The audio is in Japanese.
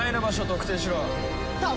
特定しろ！